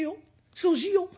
そうしよう。